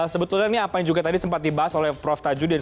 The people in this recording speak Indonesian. sebetulnya ini apa yang juga tadi sempat dibahas oleh prof tajudin